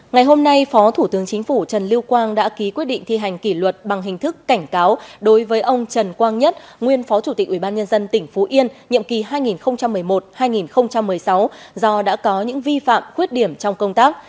ngày hôm nay phó thủ tướng chính phủ trần lưu quang đã ký quyết định thi hành kỷ luật bằng hình thức cảnh cáo đối với ông trần quang nhất nguyên phó chủ tịch ubnd tỉnh phú yên nhiệm kỳ hai nghìn một mươi một hai nghìn một mươi sáu do đã có những vi phạm khuyết điểm trong công tác